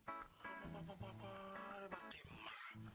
apa apa apa pak timah